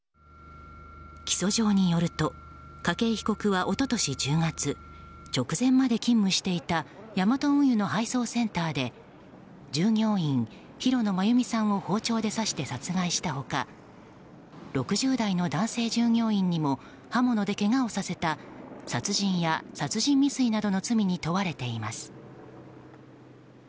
起訴状によると筧被告は一昨年１０月直前まで勤務していたヤマト運輸の配送センターで従業員・広野真由美さんを包丁で刺して殺害した他６０代の男性従業員にも刃物でけがをさせた殺人や殺人未遂などの罪に問われています。